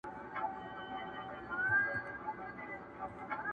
o واده په ساز ښه ايسي، مړی په ژړا!